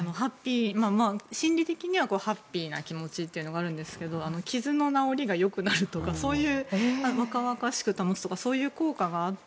心理的にはハッピーな気持ちというのがあるんですけど傷の治りが良くなるとか若々しく保つとかそういう効果があって。